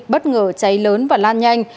bất ngờ cháy lớn và lan nhanh